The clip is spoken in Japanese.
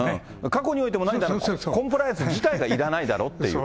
過去においてもないなら、コンプライアンス自体がいらないだろうっていう。